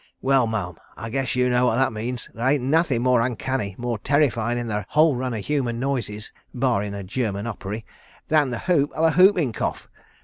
Well, Ma'am, I guess you know what that means. There ain't nothin' more uncanny, more terrifyin' in the whole run o' human noises, barrin' a German Opery, than the whoop o' the whoopin' cough.